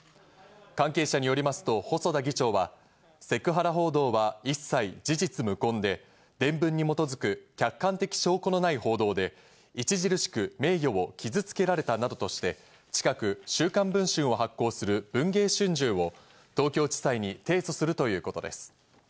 関係者によりますと細田議長は、セクハラ報道は一切事実無根で、伝聞に基づく、客観的証拠のない報道で著しく名誉を傷つけられたなどとして、近く『週刊文春』を発行する『文藝春秋』を東京地裁に提訴するということです。